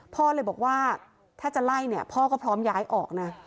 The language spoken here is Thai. พ่อเลยบอกว่าถ้าจะไล่เนี่ยพ่อก็พร้อมย้ายออกนะ